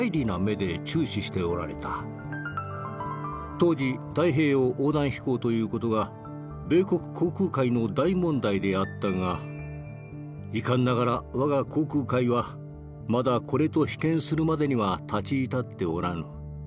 「当時太平洋横断飛行という事が米国航空界の大問題であったが遺憾ながら我が航空界はまだこれと比肩するまでには立ち至っておらぬ。